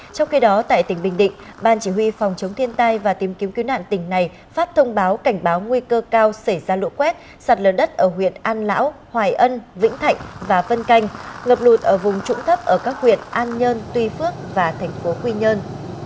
trong khi đó tại tỉnh bình định ban chỉ huy phòng chống thiên tai và tìm kiếm cứu nạn tỉnh này phát thông báo cảnh báo nguy cơ cao xảy ra lũ quét sạt lở đất ở huyện an lão hoài ân vĩnh thạnh và vân canh ngập lụt ở vùng trũng thấp ở các huyện an nhơn tuy phước và thành phố quy nhơn